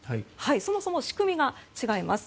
そもそも仕組みが違います。